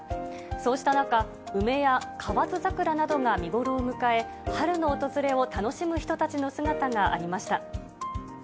そうした中、梅や河津桜などが見頃を迎え、春の訪れを楽しむ人たちの姿がありました。